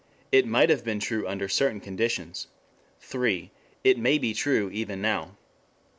It might have been true under certain conditions; 3. It may be true even now; 4.